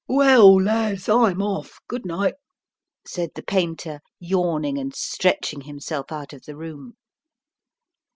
"Well, lads, I'm off, goodnight," said the painter, yawning and stretching himself out of the room.